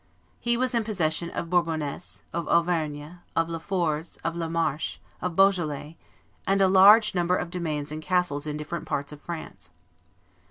He was in possession of Bourbonness, of Auvergne, of Le Forez, of La Marche, of Beaujolais, and a large number of domains and castles in different parts of France.